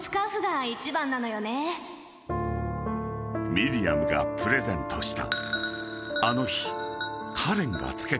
［ミリアムがプレゼントした］